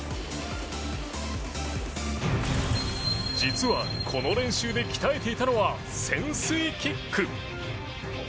実は、この練習で鍛えていたのは潜水キック。